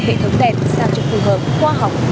hệ thống đèn sang trường hợp khoa học